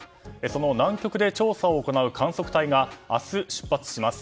その南極で調査を行う観測隊が明日、出発します。